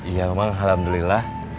iya bang alhamdulillah